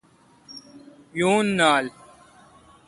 یون نالان۔